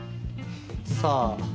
さあ。